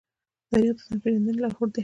تاریخ د ځان پېژندنې لارښود دی.